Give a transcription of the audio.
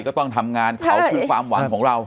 ก็ต้องทำงานเขาคือความหวังของเรา